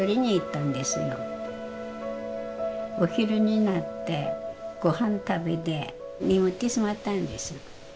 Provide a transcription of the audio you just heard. お昼になってご飯食べて眠ってしまったんです。